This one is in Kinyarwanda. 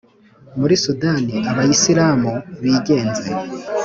muri sudan abayisilamu bigenze